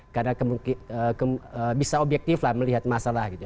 karena bisa objektif lah melihat masalah gitu